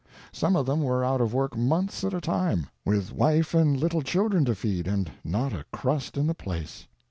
Some of them were out of work months at a time, with wife and little children to feed, and not a crust in the place.